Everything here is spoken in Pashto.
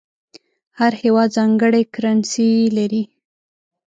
هر هېواد ځانګړې کرنسي لري.